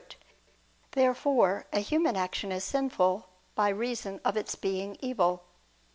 Therefore a human action is sinful by reason of its being evil.